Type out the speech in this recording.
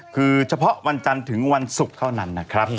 คือเฉพาะวันจันทร์ถึงวันศุกร์เท่านั้นนะครับ